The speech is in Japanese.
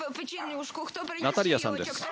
ナタリヤさんです。